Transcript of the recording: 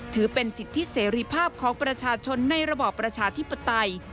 ถือเป็นสิทธิเสรีภาพของประชาชนในระบอบประชาธิปไตย